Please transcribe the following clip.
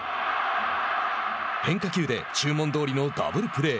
変化球で注文どおりのダブルプレー。